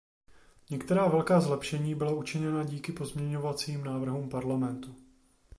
Některá velká zlepšení byla učiněna díky pozměňovacím návrhům Parlamentu.